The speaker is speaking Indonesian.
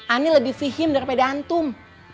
anet lebih fihim daripada antum